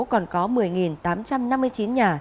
còn có một mươi tám trăm năm mươi chín nhà